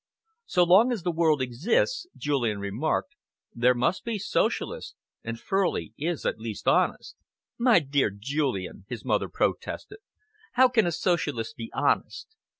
"So long as the world exists," Julian remarked, "there must be Socialists, and Furley is at least honest." "My dear Julian," his mother protested, "how can a Socialist be honest!